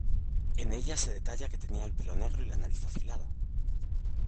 En ella se detalla que tenía el pelo negro y la nariz afilada.